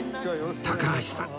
高橋さん